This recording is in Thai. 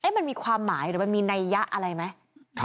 มันมีความหมายหรือมันมีนัยยะอะไรไหม